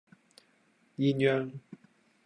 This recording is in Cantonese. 鴛鴦